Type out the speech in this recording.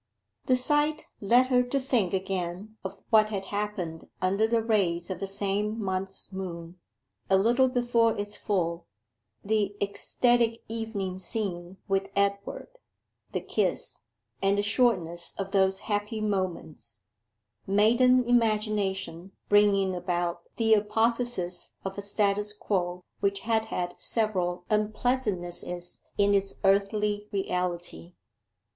The sight led her to think again of what had happened under the rays of the same month's moon, a little before its full, the ecstatic evening scene with Edward: the kiss, and the shortness of those happy moments maiden imagination bringing about the apotheosis of a status quo which had had several unpleasantnesses in its earthly reality.